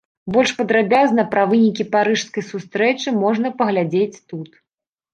Больш падрабязна пра вынікі парыжскай сустрэчы можна паглядзець тут.